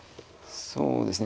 そうですね。